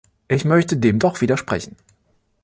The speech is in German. Ich möchte dem doch widersprechen.